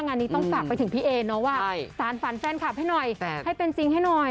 งานนี้ต้องฝากไปถึงพี่เอนะว่าสารฝันแฟนคลับให้หน่อยให้เป็นจริงให้หน่อย